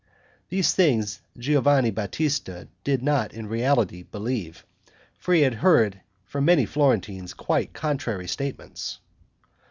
These things Giovanni Batista did not in reality believe, for he had heard from many Florentines quite contrary statements.